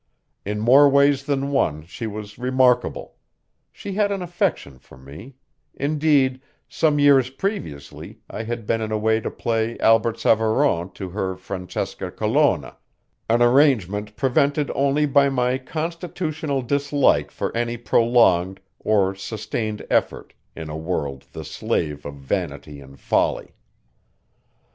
In more ways than one she was remarkable; she had an affection for me; indeed, some years previously I had been in a way to play Albert Savaron to her Francesca Colonna, an arrangement prevented only by my constitutional dislike for any prolonged or sustained effort in a world the slave of vanity and folly.